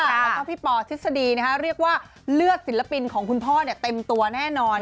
แล้วก็พี่ปอทฤษฎีเรียกว่าเลือดศิลปินของคุณพ่อเต็มตัวแน่นอน